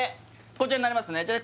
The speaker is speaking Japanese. こちらになりますねじゃ